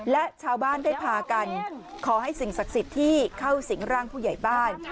และชาวบ้านได้พากันขอให้สิ่งศักดิ์สิทธิ์ที่เข้าสิงร่างผู้ใหญ่บ้าน